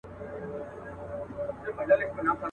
د غم او د ښادۍ کمبلي ورکي دي له خلکو.